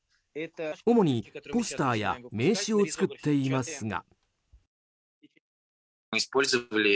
主にポスターや名刺を作っていますが。